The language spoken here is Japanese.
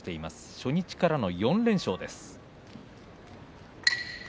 初日からの４連勝です。